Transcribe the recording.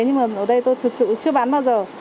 nhưng mà ở đây tôi thực sự chưa bán bao giờ